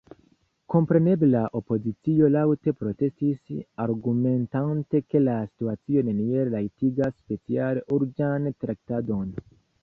Kompreneble la opozicio laŭte protestis, argumentante, ke la situacio neniel rajtigas speciale urĝan traktadon.